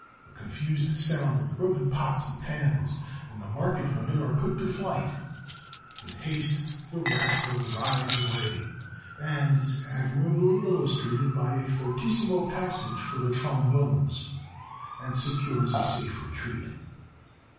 A confused sound of broken pots and pans, and the market women are put to flight. In haste the rascal rides away (as is admirably illustrated by a fortissimo passage for the trombones) and secures a safe retreat.